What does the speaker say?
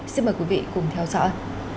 xin mời quý vị cùng theo dõi